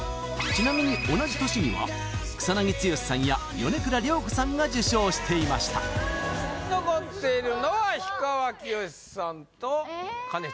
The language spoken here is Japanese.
ちなみに同じ年には草剛さんや米倉涼子さんが受賞していました残っているのは氷川きよしさんとかね